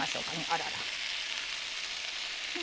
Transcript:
あらら。